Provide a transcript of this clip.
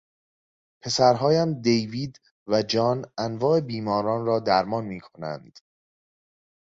پسرهایم دیوید و جان انواع بیماران را درمان میکنند.